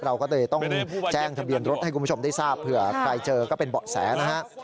เราก็เลยต้องแจ้งทะเบียนรถให้คุณผู้ชมได้ทราบเผื่อใครเจอก็เป็นเบาะแสนะฮะ